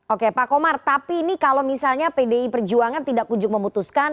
oke pak komar tapi ini kalau misalnya pdi perjuangan tidak kunjung memutuskan